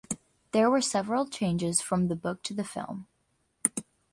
There were several changes from the book to the film.